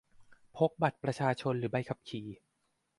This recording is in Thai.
พกบัตรประชาชน หรือ ใบขับขี่